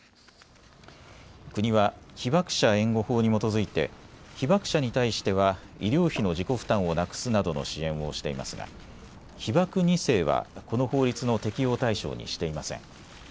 国は被爆者援護法に基づいて被爆者に対しては医療費の自己負担をなくすなどの支援をしていますが被爆２世は、この法律の適用対象にしていません。